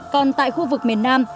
còn tại khu vực miền nam